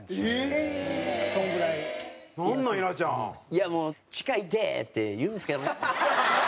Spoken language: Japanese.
いやもう「近いって！」って言うんですけどね。